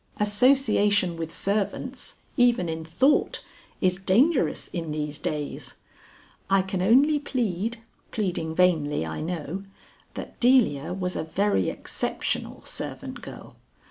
Association with servants, even in thought, is dangerous in these days. I can only plead (pleading vainly, I know), that Delia was a very exceptional servant girl.